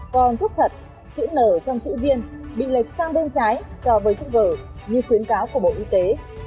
còn thuốc thật chữ n trong chữ viên bị lệch sang bên trái so với chữ g như khuyến cáo của bộ y tế